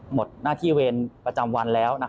หมดหน้าที่เวรประจำวันแล้ว